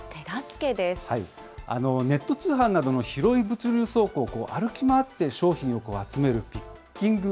ネット通販などの広い物流倉庫を歩き回って商品を集めるピッキング。